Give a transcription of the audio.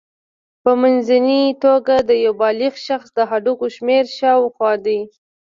په منځنۍ توګه د یو بالغ شخص د هډوکو شمېر شاوخوا دی.